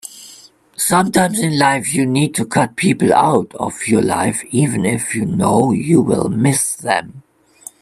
Sometimes in life you need to cut people out of your life even if you know you'll miss them.